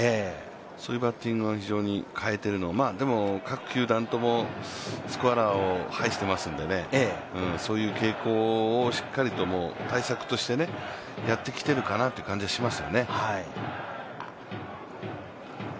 そういうバッティング、非常に変えているのを、でも、各球団ともスコアラーを配していますので、そういう傾向をしっかりと対策としてやってきてるかなという感じがしますよね。